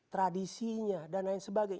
tradisinya dan lain sebagainya